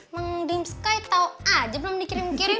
neng kinskaya tahu aja belum dikirim kirim